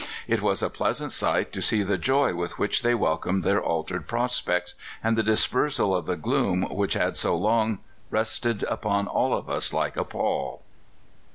It was a pleasant sight to see the joy with which they welcomed their altered prospects, and the dispersal of the gloom which had so long rested upon all of us like a pall."